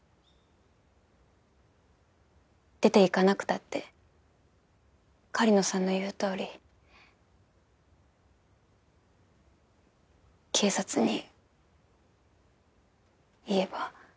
出て行かなくたって狩野さんの言うとおり警察に言えば。